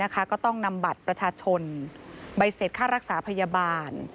ก็ต้องนำบัตรประชาชนใบเสร็จค่ารักษาพยาบาล